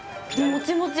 もちもち。